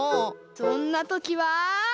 そんなときはこれ！